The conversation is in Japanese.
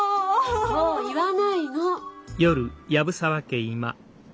そう言わないの。